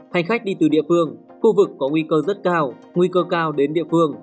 hành khách đi từ địa phương khu vực có nguy cơ rất cao nguy cơ cao đến địa phương